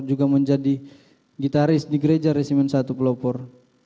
juga menjadi gitaris di gereja resimen satu pelopor